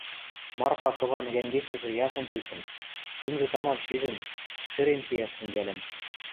Марпа кыван йӓнгешӹжӹ ясын чучын, шӱмжӹ тамам шижӹн, шӹрен шиӓш тӹнгӓлӹн.